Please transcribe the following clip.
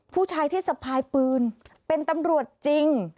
ผู้ชายที่สะพายปืนเป็นตำรวจจริง